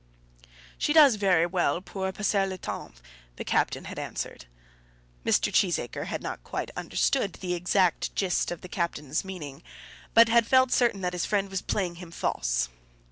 "She does very well pour passer le temps," the captain had answered. Mr. Cheesacre had not quite understood the exact gist of the captain's meaning, but had felt certain that his friend was playing him false.